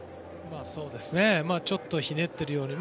ちょっとひねっているように。